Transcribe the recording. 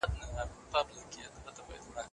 خواړه ښه وژویئ.